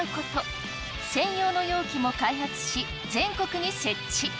専用の容器も開発し全国に設置。